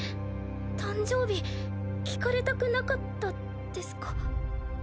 誕生日聞かれたくなかったですか？